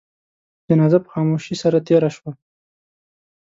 جنازه په خاموشی سره تېره شوه.